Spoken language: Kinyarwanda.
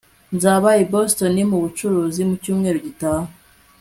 Nzaba i Boston mu bucuruzi mu cyumweru gitaha